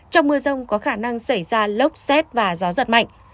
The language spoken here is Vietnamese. trong mưa rông có khả năng xảy ra lốc xét và gió giật mạnh